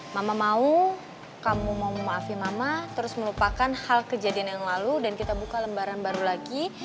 mama mau kamu mau memaafi mama terus melupakan hal kejadian yang lalu dan kita buka lembaran baru lagi